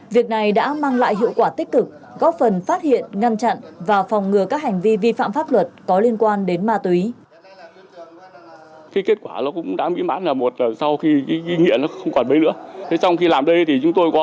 việc này đã mang lại hiệu quả tích cực góp phần phát hiện ngăn chặn và phòng ngừa các hành vi vi phạm pháp luật có liên quan đến ma túy